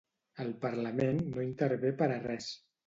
El Parlament no intervé per a res.